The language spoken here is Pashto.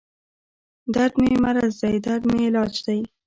دردمې مرض دی دردمې علاج دی